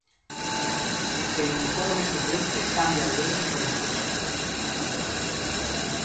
El uniforme suplente cambia el verde por el fucsia.